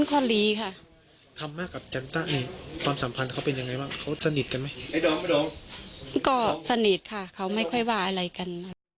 ก็สนิทค่ะเขาไม่ค่อยว่าอะไรกัน